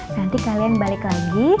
nanti kalian balik lagi